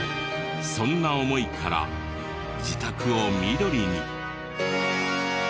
そんな思いから自宅を緑に。